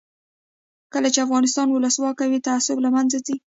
کله چې افغانستان کې ولسواکي وي تعصب له منځه ځي.